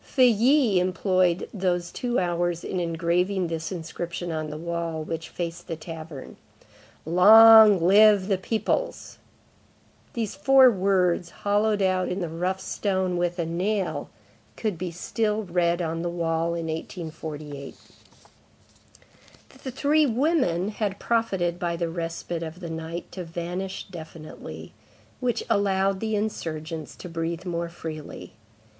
Feuilly employed these two hours in engraving this inscription on the wall which faced the tavern:— LONG LIVE THE PEOPLES! These four words, hollowed out in the rough stone with a nail, could be still read on the wall in 1848. The three women had profited by the respite of the night to vanish definitely; which allowed the insurgents to breathe more freely.